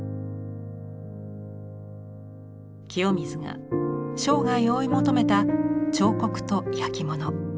清水が生涯追い求めた彫刻と焼き物。